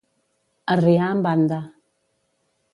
Arriar en banda.